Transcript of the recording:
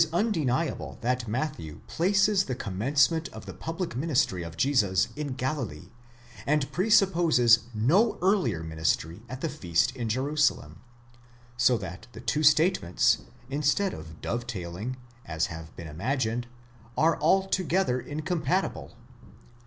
un deniable that Matthew places the commencement of the public ministry of Jesus in Galilee, and presupposes no earlier ministry at the feast in Jerusalem, so that the two statements, instead of dovetailing, as has been imagined, are altogether incompatible.